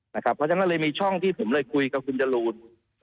เพราะฉะนั้นก็เลยมีช่องที่ผมเลยคุยกับคุณจรูน